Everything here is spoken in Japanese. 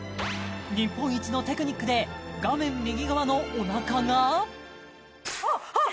日本一のテクニックで画面右側のおなかがあっはっ